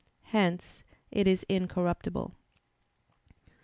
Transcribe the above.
Hence it is incorruptible.